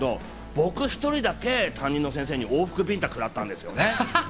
僕一人だけ担任の先生に往復ビンタくらったんです。